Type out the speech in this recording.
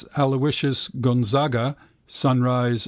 Aloysius Gonzaga), sunrise 3.